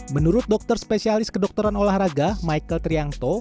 menurut dokter spesialis kedokteran olahraga michael triangto